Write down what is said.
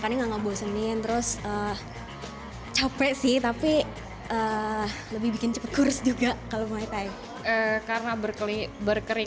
jadi kalau kamu mau berlatih kamu harus berlatih